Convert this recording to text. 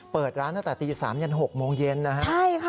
เปิดร้านตั้งแต่ตี๓ยัน๖โมงเย็นนะฮะใช่ค่ะ